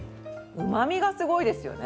旨味がすごいですよね。